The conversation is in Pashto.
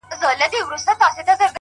پوهه تیاره شکونه له منځه وړي،